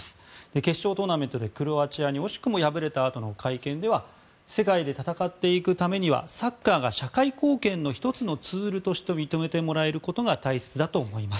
決勝トーナメントでクロアチアに惜しくも敗れたあとの会見では世界で戦っていくためにはサッカーが社会貢献の１つのツールとして認めてもらえることが大切だと思います。